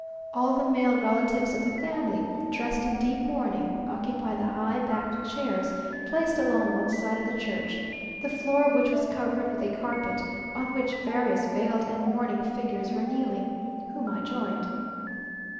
All the male relatives of the family, dressed in deep mourning, occupied the high backed chairs placed along one side of the church, the floor of which was covered with a carpet, on which various veiled and mourning figures were kneeling, whom I joined.